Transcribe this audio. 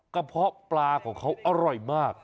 เพาะปลาของเขาอร่อยมาก